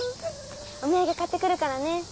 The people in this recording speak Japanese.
お土産買ってくるからね。